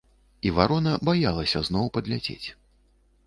І варона баялася зноў падляцець.